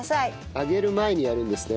揚げる前にやるんですね。